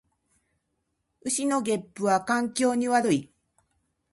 牛のげっぷは環境に悪い